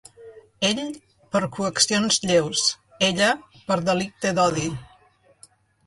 Ell, per ‘coaccions lleus’, ella, per delicte d’odi.